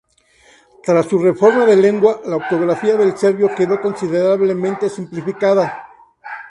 Tras su reforma de la lengua, la ortografía del serbio quedó considerablemente simplificada.